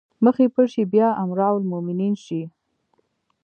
مخ يې پټ شي بيا امرالمومنين شي